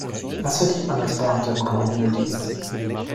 Was verdient man als Beamter im gehobenen Dienst?